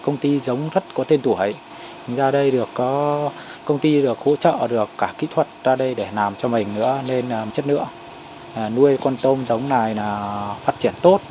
nên chất lượng nuôi con tôm giống này là phát triển tốt